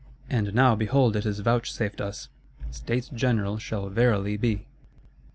And now behold it is vouchsafed us; States General shall verily be!